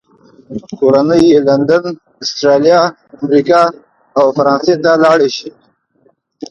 کورنۍ یې لندن، استرالیا، امریکا او فرانسې ته لاړې شي.